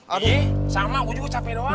eh sama gua juga capek doang